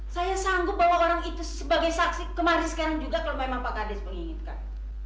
saya sanggup bahwa orang itu sebagai saksi kemarin sekarang juga kalau memang pak kades menginginkan